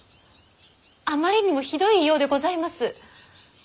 あまりにもひどい言いようでございます。